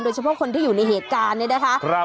เฉพาะคนที่อยู่ในเหตุการณ์เนี่ยนะคะ